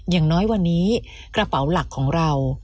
อย่างน้อยวันนี้กระเป๋าหลักของเรา